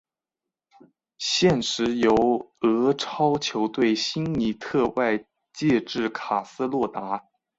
现时由俄超球队辛尼特外借至卡斯洛达。